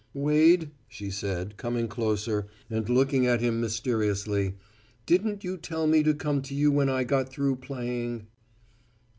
"Wade," she said, coming closer, and looking at him mysteriously, "didn't you tell me to come to you when I got through playing?"